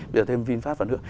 bây giờ thêm vinfast vào nữa